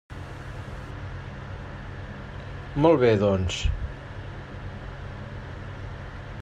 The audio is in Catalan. Molt bé, doncs.